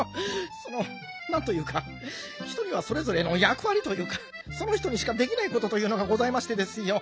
そのなんというか人にはそれぞれのやくわりというかその人にしかできないことというのがございましてですよ